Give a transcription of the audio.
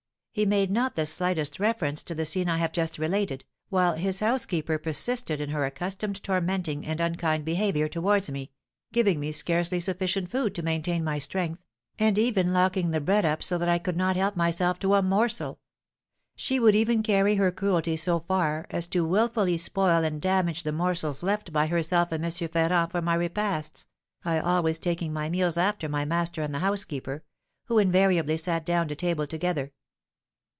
He made not the slightest reference to the scene I have just related, while his housekeeper persisted in her accustomed tormenting and unkind behaviour towards me, giving me scarcely sufficient food to maintain my strength, and even locking the bread up so that I could not help myself to a morsel; she would even carry her cruelty so far as to wilfully spoil and damage the morsels left by herself and M. Ferrand for my repasts, I always taking my meals after my master and the housekeeper, who invariably sat down to table together.